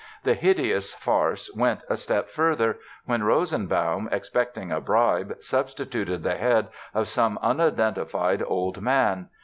The hideous farce went a step further, when Rosenbaum, expecting a bribe, substituted the head of some unidentified old man.